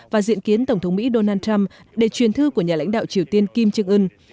và dự kiến tổng thống mỹ donald trump để truyền thư của nhà lãnh đạo triều tiên kim jong un